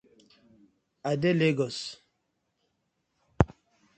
I dey Legos.